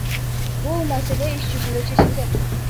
Бул маселе иш жүзүндө чечилген.